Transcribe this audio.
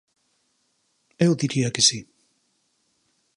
Eu diría que si.